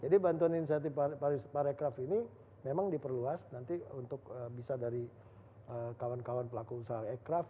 jadi bantuan inisiatif pariwisata pariwisata aircraft ini memang diperluas nanti untuk bisa dari kawan kawan pelaku usaha aircraft